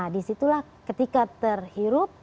nah disitulah ketika terhirup